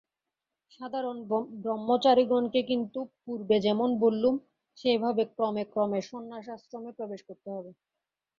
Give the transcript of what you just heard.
সাধারণ ব্রহ্মচারিগণকে কিন্তু পূর্বে যেমন বললুম, সেইভাবে ক্রমে ক্রমে সন্ন্যাসাশ্রমে প্রবেশ করতে হবে।